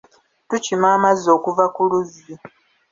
Tukima amazzi okuva ku luzzi.